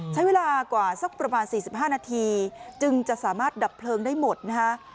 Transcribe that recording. ใช้เวลากว่าสักประมาณ๔๕นาทีจึงจะสามารถดับเพลิงได้หมดนะคะ